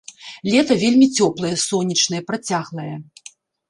Лета вельмі цёплае, сонечнае, працяглае.